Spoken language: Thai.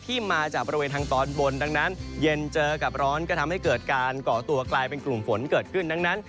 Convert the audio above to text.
ที่มาจากบริเวณทางตอนบนดังนั้นเย็นเจอกับร้อนก็ทำให้เกิดการก่อตัวกลายเป็นกลุ่มฝนเกิดขึ้นดังนั้น